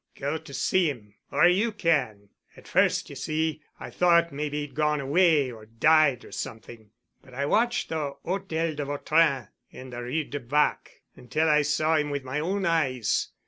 "Go to see him—or you can. At first, ye see, I thought maybe he'd gone away or died or something. But I watched the Hôtel de Vautrin in the Rue de Bac until I saw him with my own eyes.